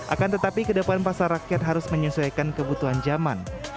akan tetapi kedepan pasar rakyat harus menyesuaikan kebutuhan jaman